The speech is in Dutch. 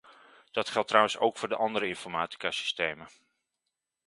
Dat geldt trouwens ook voor de andere informaticasystemen.